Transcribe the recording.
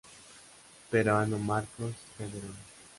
Peruano Marcos Calderón.